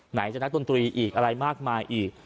ไหนจะนักดนตรีอีกอะไรมากมายอีก